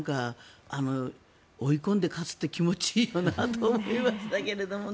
追い込んで勝つって気持ちいいよなと思いましたけれどもね。